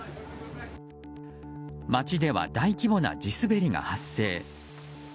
街では大規模な地滑りが発生。